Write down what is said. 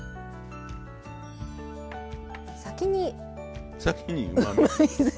先に。